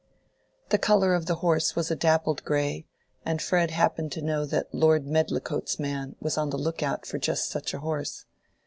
The color of the horse was a dappled gray, and Fred happened to know that Lord Medlicote's man was on the look out for just such a horse.